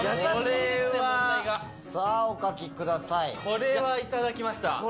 これはいただきました。